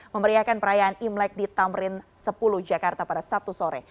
memeriahkan perayaan imlek di tamrin sepuluh jakarta pada sabtu sore